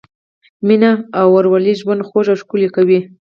مینه او ورورولي ژوند خوږ او ښکلی کوي.